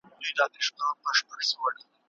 د ملکیار شعر د پښتو ژبې یو ښکلی رنګ دی.